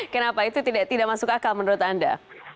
kenapa itu tidak masuk akal menurut anda